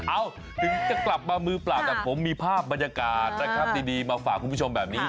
ถึงจะกลับมามือเปล่าแต่ผมมีภาพบรรยากาศนะครับดีมาฝากคุณผู้ชมแบบนี้